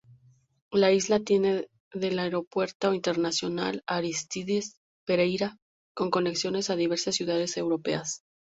La isla tiene del aeropuerto Internacional Aristides Pereira con conexiones a diversas ciudades europeas.